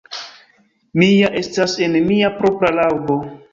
Mi ja estas en mia propra laŭbo.